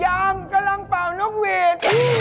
ย้ำกำลังเปล่าน้องวีร